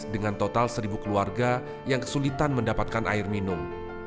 dengan total seribu keluarga yang kesulitan mendapatkan air minum